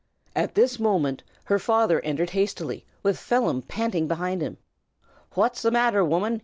At this moment her father entered hastily, with Phelim panting behind him. "Phwhat's the matther, woman?"